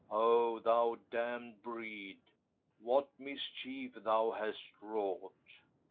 O thou damned breed! What mischief thou hast wrought?